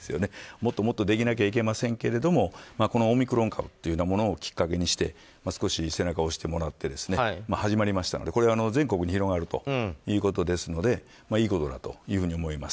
もっともっとできないといけませんがオミクロン株をきっかけにして少し背中を押してもらって始まりましたので全国に広がるということですのでいいことだと思います。